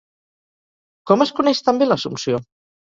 Com es coneix també l'Assumpció?